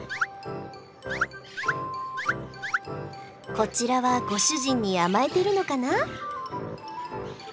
こちらはご主人に甘えているのかな？